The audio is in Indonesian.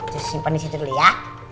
sus simpan disitu dulu ya